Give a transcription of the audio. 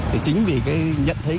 thì chính vì nhận thấy